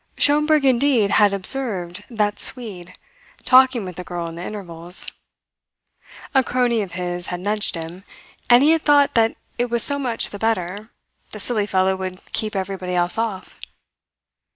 Schomberg, indeed, had observed "that Swede" talking with the girl in the intervals. A crony of his had nudged him; and he had thought that it was so much the better; the silly fellow would keep everybody else off.